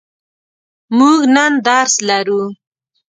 موږ نن درس لرو.